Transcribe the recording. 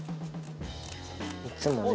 いつもね。